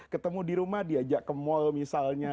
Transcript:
ketemu di rumah diajak ke mal misalnya